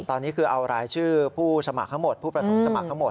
ตอนนี้คือเอารายชื่อผู้สมัครทั้งหมดผู้ประสงค์สมัครทั้งหมด